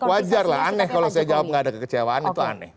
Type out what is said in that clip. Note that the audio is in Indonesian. wajar lah aneh kalau saya jawab nggak ada kekecewaan itu aneh